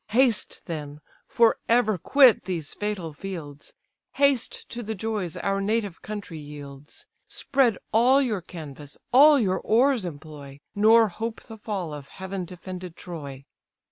Haste then, for ever quit these fatal fields, Haste to the joys our native country yields; Spread all your canvas, all your oars employ, Nor hope the fall of heaven defended Troy."